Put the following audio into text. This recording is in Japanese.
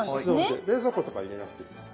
冷蔵庫とか入れなくていいです。